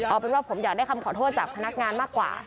เอาเป็นว่าผมอยากได้คำขอโทษจากพนักงานมากกว่า